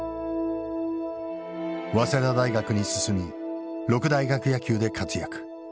早稲田大学に進み六大学野球で活躍。